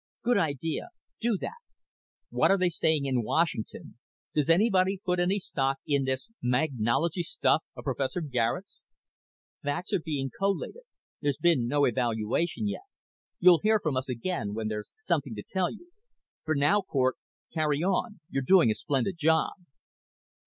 "Good idea. Do that." "What are they saying in Washington? Does anybody put any stock in this magnology stuff of Professor Garet's?" "Facts are being collated. There's been no evaluation yet. You'll hear from us again when there's something to tell you. For now, Cort, carry on. You're doing a splendid job."